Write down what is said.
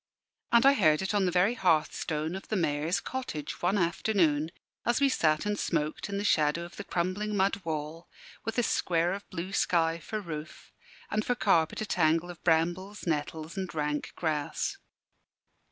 And I heard it on the very hearthstone of the Mayor's cottage, one afternoon, as we sat and smoked in the shadow of the crumbling mud wall, with a square of blue sky for roof, and for carpet a tangle of brambles, nettles, and rank grass.